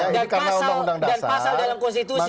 dan pasal dalam konstitusi